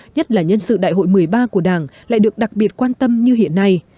nhất là nhân sự đại hội một mươi ba của đảng lại được đặc biệt quan tâm như hiện nay